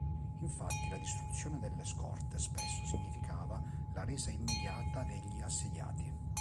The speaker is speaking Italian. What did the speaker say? Infatti la distruzione delle scorte spesso significava la resa immediata degli assediati.